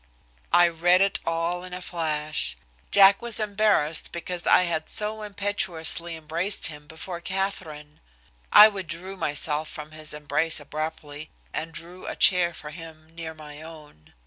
I read it all in a flash. Jack was embarrassed because I had so impetuously embraced him before Katherine. I withdrew myself from his embrace abruptly, and drew a chair for him near my own.